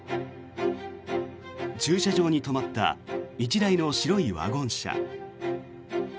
駐車場に止まった１台の白いワゴン車。